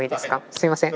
すいません。